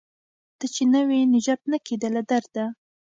ته چې نه وې نجات نه کیده له درده